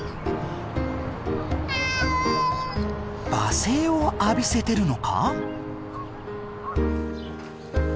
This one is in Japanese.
罵声を浴びせてるのか？